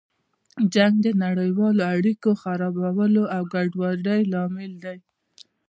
جنګ د نړیوالو اړیکو خرابولو او ګډوډۍ لامل دی.